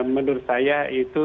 menurut saya itu